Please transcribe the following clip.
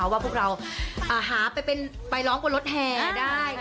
ว่าพวกเราหาไปร้องบนรถแห่ได้